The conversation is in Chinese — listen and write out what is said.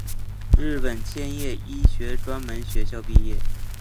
日本千叶医学专门学校毕业。